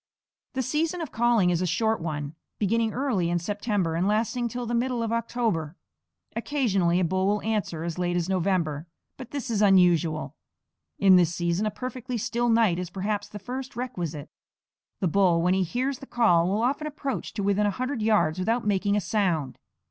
The season of calling is a short one, beginning early in September and lasting till the middle of October. Occasionally a bull will answer as late as November, but this is unusual. In this season a perfectly still night is perhaps the first requisite. The bull, when he hears the call, will often approach to within a hundred yards without making a sound.